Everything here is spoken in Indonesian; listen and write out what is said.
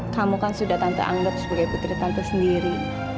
kamu kan sudah tante anggap sebagai putri tante sendiri